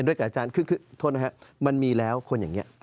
ด้วยกับอาจารย์คือโทษนะครับมันมีแล้วคนอย่างนี้